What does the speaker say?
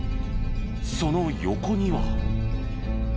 その横には。